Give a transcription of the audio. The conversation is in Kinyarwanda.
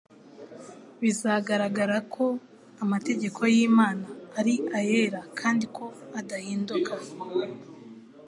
Bizagaragara ko amategeko y'Imana ari ayera kandi ko adahinduka.